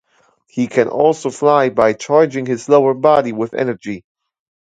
He can also fly by charging his lower body with energy.